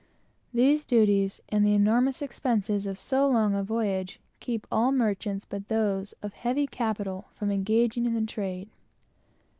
These duties, and the enormous expenses of so long a voyage, keep all merchants, but those of heavy capital, from engaging in the trade.